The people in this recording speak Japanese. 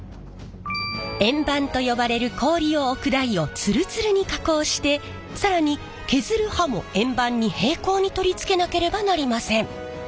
円盤と呼ばれる氷を置く台をツルツルに加工して更に削る刃も円盤に平行に取り付けなければなりません。